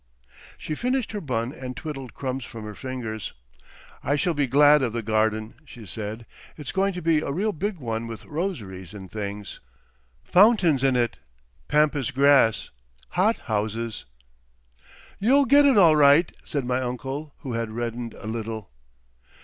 She finished her bun and twiddled crumbs from her fingers. "I shall be glad of the garden," she said. "It's going to be a real big one with rosaries and things. Fountains in it. Pampas grass. Hothouses." "You'll get it all right," said my uncle, who had reddened a little.